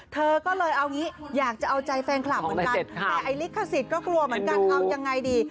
เธอก็เลยเอางี้อยากจะเอาใจแฟนคลับเหมือนกันแต่ไอ้ลิขสิทธิ์ก็กลัวเหมือนกันเอายังไงดี